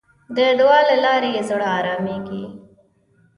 د دعا له لارې زړه آرامېږي.